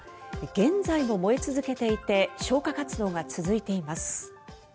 現在も燃え続けていて消火活動が続いています。